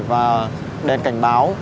và đèn cảnh báo